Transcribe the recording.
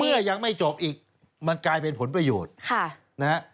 เมื่อยังไม่จบอีกมันกลายเป็นผลประโยชน์